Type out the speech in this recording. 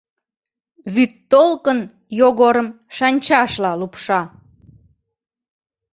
Вӱдтолкын Йогорым шанчашла лупша.